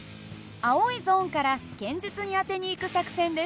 青いゾーンから堅実に当てにいく作戦です。